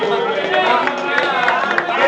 langsung pak menteri